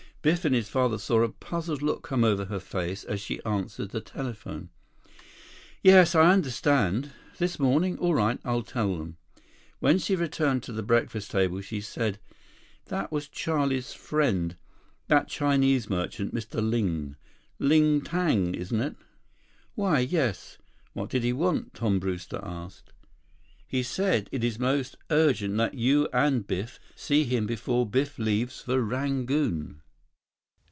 Biff and his father saw a puzzled look come over her face as she answered the telephone. "Yes? I understand. This morning? All right, I'll tell them." When she returned to the breakfast table she said, "That was Charlie's friend, that Chinese merchant, Mr. Ling. Ling Tang, isn't it?" "Why, yes. What did he want?" Tom Brewster asked. "He said it is most urgent that you and Biff see him before Biff leaves for Rangoon."